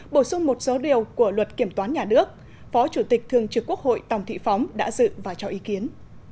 bổ sung một số điều của luật kiểm toán nhà nước phó chủ tịch thường trực quốc hội tòng thị phóng đã dự và cho ý kiến